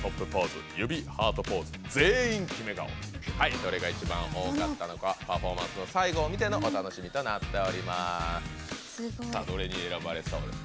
どれが一番多かったのかパフォーマンスの最後を見てのお楽しみとなっております。